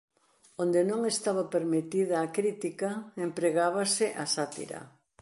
Onde non estaba permitida a crítica empregábase a sátira.